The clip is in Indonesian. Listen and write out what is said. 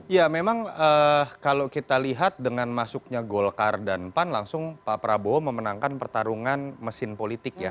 ya memang kalau kita lihat dengan masuknya golkar dan pan langsung pak prabowo memenangkan pertarungan mesin politik ya